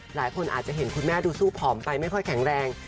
หลายคนอาจจะเห็นคุณแม่ดูสู้ผอมไปไม่ค่อยแข็งแรง